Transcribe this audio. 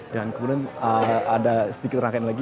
dan kemudian ada sedikit rangkaian lagi